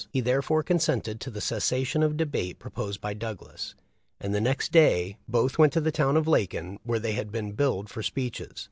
He therefore consented to the cessation of debate proposed by Douglas, and the next day both went to the town of Lacon, where they had been billed for speeches.